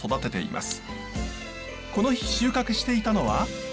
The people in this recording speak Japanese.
この日収穫していたのは。